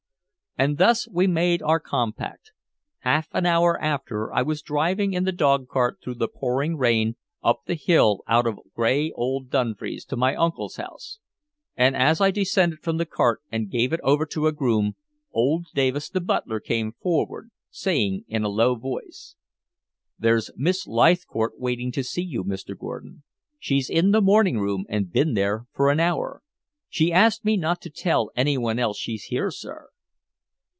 And thus we made our compact. Half an hour after I was driving in the dog cart through the pouring rain up the hill out of gray old Dumfries to my uncle's house. As I descended from the cart and gave it over to a groom, old Davis, the butler, came forward, saying in a low voice: "There's Miss Leithcourt waiting to see you, Mr. Gordon. She's in the morning room, and been there an hour. She asked me not to tell anyone else she's here, sir."